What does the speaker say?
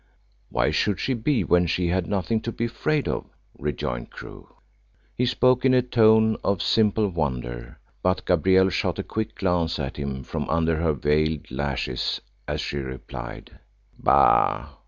"Why should she be when she had nothing to be afraid of?" rejoined Crewe. He spoke in a tone of simple wonder, but Gabrielle shot a quick glance at him from under her veiled lashes as she replied: "Bah!